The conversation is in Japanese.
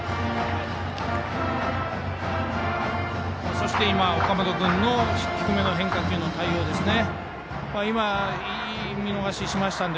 そして今の岡本君の低めの変化球の対応ですね。